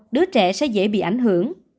đứa trẻ sẽ dễ bị ảnh hưởng